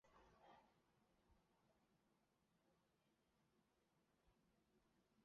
努尔哈赤翼龙的正模标本是一个部份头颅骨与骨骸。